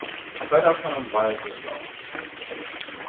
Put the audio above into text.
Ek hou daarvan om baie te slaap